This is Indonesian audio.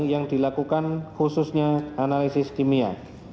yang dilakukan khususnya analisis kimia